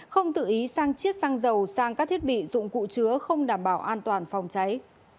không tự ý sang chiết xăng dầu sang các thiết bị dụng cụ chứa không đảm bảo an toàn phòng cháy